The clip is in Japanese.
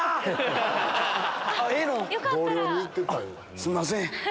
すんません。